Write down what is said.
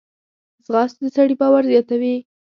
ځغاسته د سړي باور زیاتوي